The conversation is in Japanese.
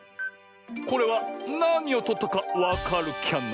これはなにをとったかわかるキャな？